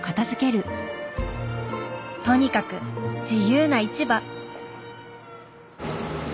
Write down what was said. とにかく自由な市場。